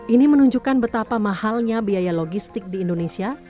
ini menunjukkan betapa mahalnya biaya logistik di indonesia